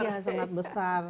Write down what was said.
iya sangat besar